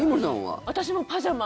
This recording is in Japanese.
私もパジャマ。